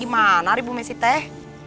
gimana ari bu messi teh